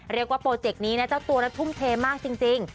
เรียกว่าโปรเจกต์นี้นะเจ้าตัวนั้นทุ่มเทมากจริง